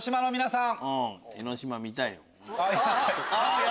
さん。